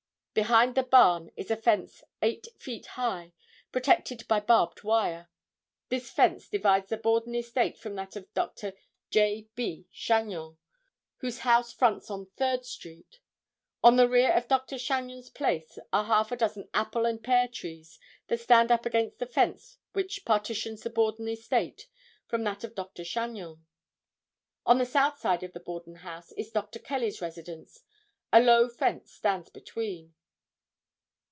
Behind the barn is a fence eight feet high, protected by barbed wire. This fence divides the Borden estate from that of Dr. J. B. Chagnon, whose house fronts on Third street. On the rear of Dr. Chagnon's place are half a dozen apple and pear trees that stand up against the fence which partitions the Borden estate from that of Dr. Chagnon. On the south side of the Borden house is Dr. Kelly's residence. A low fence stands between.